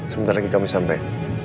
sebentar lagi kami sampai